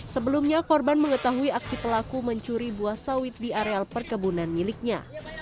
sebelumnya korban mengetahui aksi pelaku mencuri buah sawit di areal perkebunan miliknya